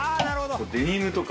デニムとか。